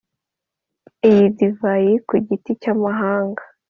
iyi divayi ku giti cy'amahanga